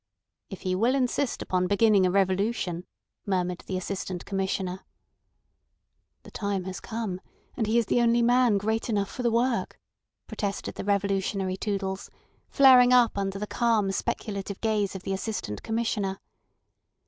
"If he will insist on beginning a revolution!" murmured the Assistant Commissioner. "The time has come, and he is the only man great enough for the work," protested the revolutionary Toodles, flaring up under the calm, speculative gaze of the Assistant Commissioner.